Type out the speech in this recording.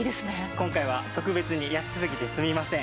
今回は特別に安すぎてすみません。